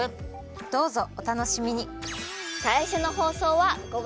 どうぞおたのしみに！